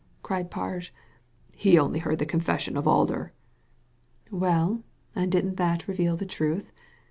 cried Parge. "He only heard the confession of Alder. ''Well, and didn't that reveal the truth?